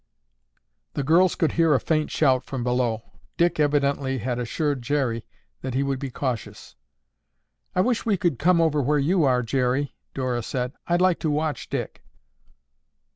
The girls could hear a faint shout from below. Dick evidently had assured Jerry that he would be cautious. "I wish we could come over where you are, Jerry," Dora said. "I'd like to watch Dick."